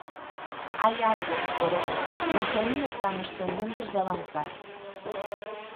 Hai algo, porén, no que aínda estamos pendentes de avanzar.